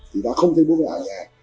thì đã không thấy bố với ảnh